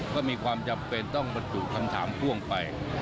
ก็มีความจำเป็นต้องบรรจุคำถามพ่วงไป